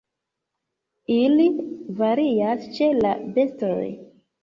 Ili varias ĉe la bestoj.